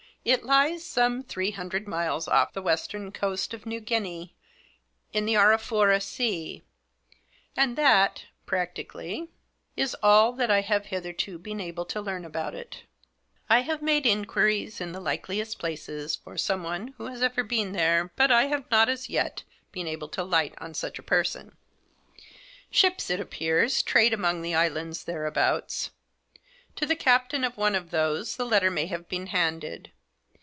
It lies some three hundred miles off the western coast of New Guinea, in the Arafura Sea; and that, practically, is all I have hitherto been able to learn about it I have made inquiries, in the likeliest places, for someone who has ever been there, but I have not, as yet, been able to light on such a person. Ships, it appears, trade among the islands thereabouts. To the captain of one of those the letter may have been handed.